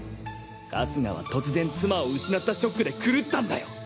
春日は突然妻を失ったショックで狂ったんだよ！